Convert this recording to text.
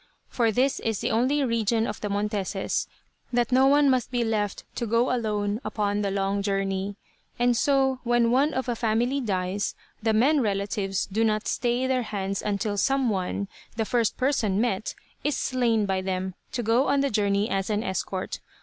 For this is the only religion of the Monteses; that no one must be left to go alone upon the long journey. And so, when one of a family dies, the men relatives do not stay their hands until some one, the first person met, is slain by them to go on the journey as an escort.